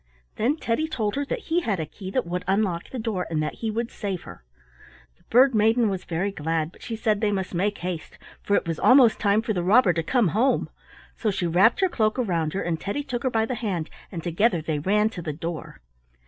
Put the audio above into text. Then Teddy told her that he had a key that would unlock the door and that he would save her. The Bird maiden was very glad, but she said they must make haste, for it was almost time for the robber to come home; so she wrapped her cloak around her, and Teddy took her by the hand and together they ran to the door.